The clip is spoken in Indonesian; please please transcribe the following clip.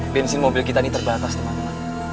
bensin mobil kita ini terbatas teman teman